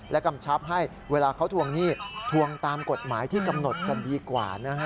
กำชับให้เวลาเขาทวงหนี้ทวงตามกฎหมายที่กำหนดจะดีกว่านะฮะ